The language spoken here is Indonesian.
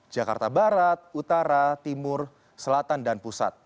jakarta barat utara timur selatan dan pusat